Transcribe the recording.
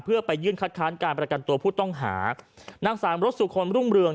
เพื่อไปยื่นคัดค้านการประกันตัวผู้ต้องหานางสามรถสุคลรุ่งเรือง